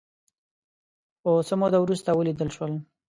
خو څه موده وروسته ولیدل شول